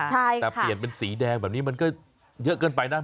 แต่เปลี่ยนเป็นสีแดงแบบนี้มันก็เยอะเกินไปนะ